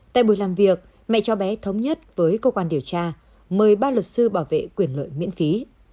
tại buổi làm việc mẹ cho bé thống nhất với cơ quan điều tra mời ba luật sư bảo vệ quyền lợi miễn phí